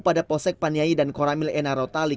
pada posek paniai dan koramil enarotali